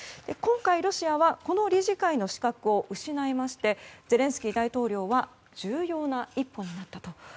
今回、ロシアはこの理事会の資格を失いましてゼレンスキー大統領は重要な一歩になったと。